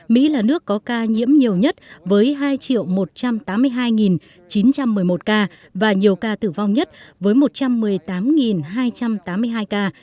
mỹ là nước có ca nhiễm nhiều nhất với hai một trăm tám mươi hai chín trăm một mươi một ca và nhiều ca tử vong nhất với một trăm một mươi tám hai trăm tám mươi hai ca